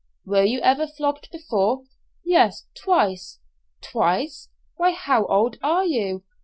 "Were you ever flogged before?" "Yes, twice." "Twice! Why, how old are you?"